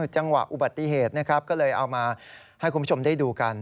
จังหวะอุบัติเหตุนะครับก็เลยเอามาให้คุณผู้ชมได้ดูกัน